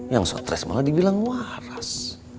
yang stres malah dibilang waras